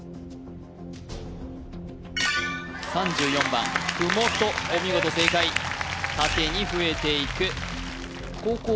３４番ふもとお見事正解縦に増えていく後攻